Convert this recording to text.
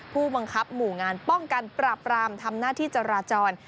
ผู้บังคับหมู่งานป้องกันปราบรามทำหน้าที่จราจร